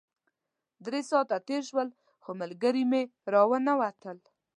درې ساعته تېر شول خو ملګري مې راونه وتل.